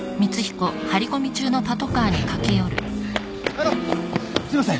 あのすいません！